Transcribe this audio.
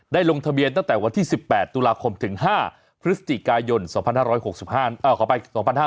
ได้ลงทะเบียนนอกแต่วันที่๑๘ตุลาคมถึง๕พค๒๕๖๕ขอไป๒๕๖๔